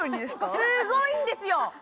すごいんですよ